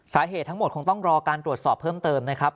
สาเหตุทั้งหมดคงต้องรอการตรวจสอบเพิ่มเติมนะครับ